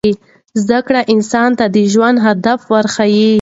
زده کړه انسان ته د ژوند هدف ورښيي.